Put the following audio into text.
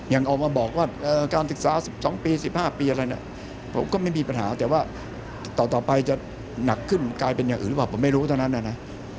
ออกมาบอกว่าการศึกษา๑๒ปี๑๕ปีอะไรผมก็ไม่มีปัญหาแต่ว่าต่อไปจะหนักขึ้นกลายเป็นอย่างอื่นหรือเปล่าผมไม่รู้เท่านั้นนะนะ